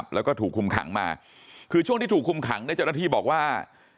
แล้วก็ถูกคุมขังมาคือช่วงที่ถูกคุมขังในเจ้าหน้าที่บอกว่า